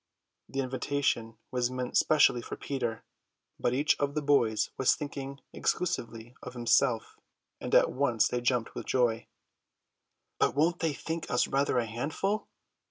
The invitation was meant specially for Peter, but each of the boys was thinking exclusively of himself, and at once they jumped with joy. "But won't they think us rather a handful?"